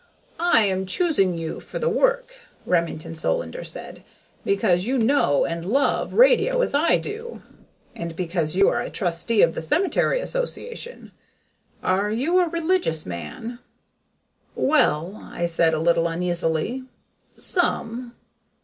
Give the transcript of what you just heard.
"I am choosing you for the work," Remington Solander said, "because you know and love radio as I do, and because you are a trustee of the cemetery association. Are you a religious man?" "Well," I said, a little uneasily, "some.